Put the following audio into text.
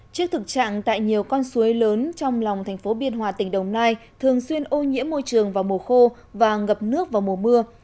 trước thực trạng tại nhiều con suối lớn trong lòng thành phố biên hòa tỉnh đồng nai thường xuyên ô nhiễm môi trường vào mùa khô và ngập nước vào mùa mưa